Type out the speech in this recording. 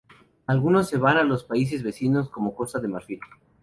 Algunos se van a los países vecinos, como Costa de Marfil.